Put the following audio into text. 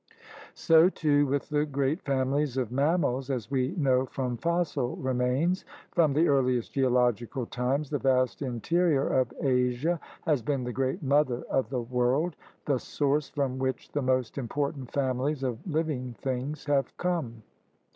So, too, with the great families of mammals, as we know from fossil remains. From the earliest geological times the vast interior of Asia has been the great mother of the world, the source from which the most important families of living things have come.